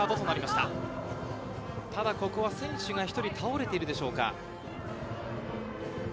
ただここは選手が１人倒れているでしょうか。